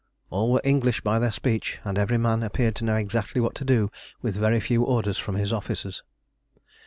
All were English by their speech, and every man appeared to know exactly what to do with very few orders from his officers.